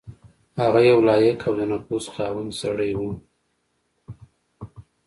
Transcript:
هغه یو لایق او د نفوذ خاوند سړی وو.